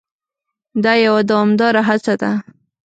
دا یوه دوامداره هڅه ده.